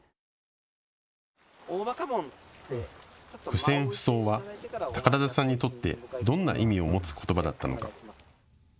不戦不争は宝田さんにとって、どんな意味を持つことばだったのか。